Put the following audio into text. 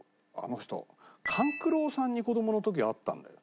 勘九郎さんに子供の時会ったんだよ。